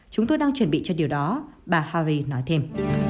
chúng tôi đang chuẩn bị cho điều đó bà hari nói thêm